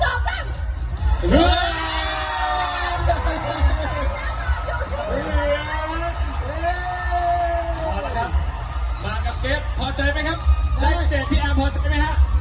หมากกับเกฟพอใจไหมครับ